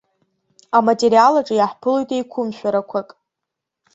Аматериал аҿы иаҳԥылоит еиқәымшәарақәак.